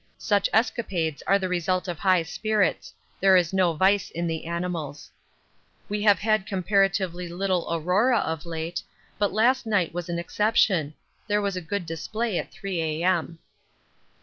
Such escapades are the result of high spirits; there is no vice in the animals. We have had comparatively little aurora of late, but last night was an exception; there was a good display at 3 A.M.